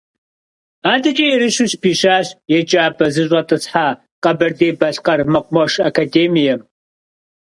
Адэкӏэ ерыщу щыпищащ еджапӏэ зыщӏэтӏысхьа Къэбэрдей-Балъкъэр мэкъумэш академием.